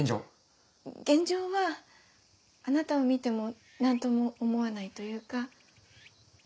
現状はあなたを見ても何とも思わないというか。